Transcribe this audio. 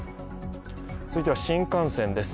続いては新幹線です。